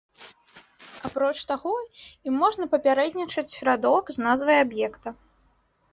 Апроч таго, ім можа папярэднічаць радок з назвай аб'екта.